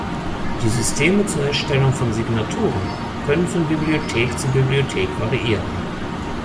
Die Systeme zur Erstellung von Signaturen können von Bibliothek zu Bibliothek variieren.